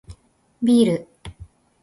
ビール